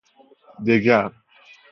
دگر